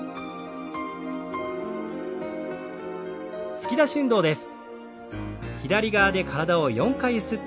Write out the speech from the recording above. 突き出し運動です。